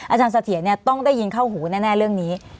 อาจารย์เสถียรต้องได้ยินเข้าหูแน่เรื่องนี้